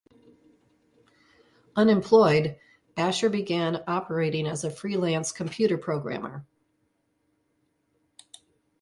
Unemployed, Asher began operating as a freelance computer programmer.